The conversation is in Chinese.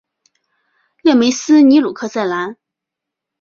勒梅斯尼鲁克塞兰。